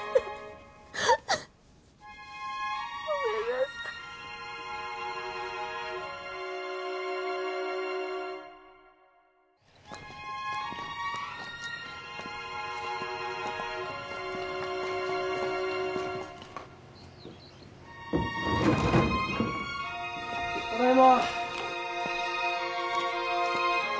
ただいま。